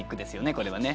これはね。